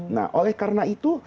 nah oleh karena itu